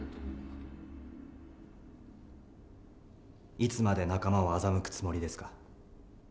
いつまで仲間を欺くつもりですか？